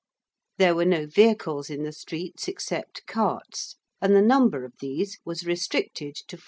There were no vehicles in the streets except carts, and the number of these was restricted to 420.